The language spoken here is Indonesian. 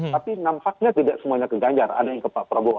tapi nampaknya tidak semuanya ke ganjar ada yang ke pak prabowo